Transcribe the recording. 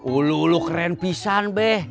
ulu ulu keren pisang be